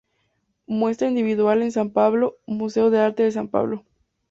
Muestra Individual en San Pablo, Museo de Arte de San Pablo.